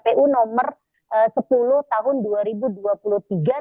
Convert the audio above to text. oleh kpu ri melalui pkpu no sepuluh tahun dua ribu dua puluh tiga